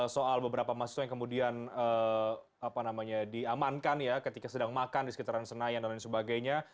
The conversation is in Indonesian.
soal beberapa mahasiswa yang kemudian diamankan ya ketika sedang makan di sekitaran senayan dan lain sebagainya